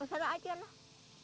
kesana aja lah